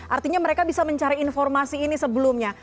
artinya mereka bisa mencari informasi ini sebelumnya